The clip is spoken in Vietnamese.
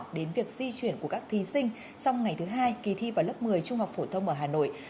đến việc di chuyển của các thí sinh trong ngày thứ hai kỳ thi vào lớp một mươi trung học phổ thông ở hà nội